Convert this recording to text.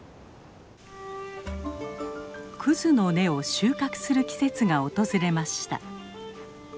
クズの根を収穫する季節が訪れました。